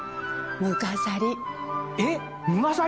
・「むがさり」。